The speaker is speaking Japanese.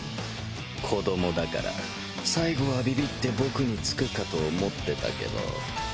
子どもだから最後はビビって僕に付くかと思ってたけど。